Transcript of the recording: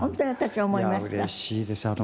うれしいです。